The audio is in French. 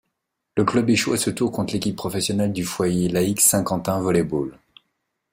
Le club échoue à ce tour contre l'équipe professionnelle du Foyer Laïque Saint-Quentin Volley-Ball.